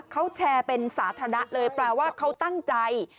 เขาแชร์เป็นสาธารณะเลยแปลว่าเขาตั้งใจ